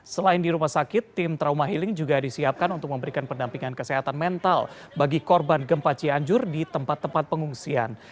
selain di rumah sakit tim trauma healing juga disiapkan untuk memberikan pendampingan kesehatan mental bagi korban gempa cianjur di tempat tempat pengungsian